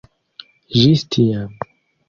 Ĝis tiam.